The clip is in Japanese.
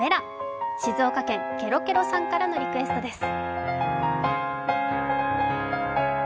静岡県けろけろさんからのリクエストです。